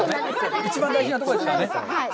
一番大事なところですから。